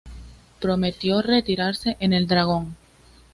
Prometió retirarse en el Dragón.